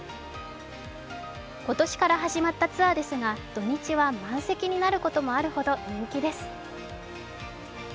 今年から始まったツアーですが土日は満席になることもあるほど人気です。